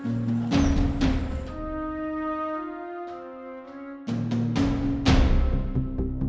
hal itu bisa makin juga suka